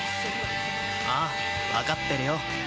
ああ、分かってるよ。